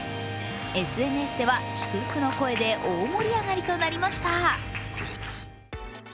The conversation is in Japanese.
ＳＮＳでは祝福の声で大盛り上がりとなりました。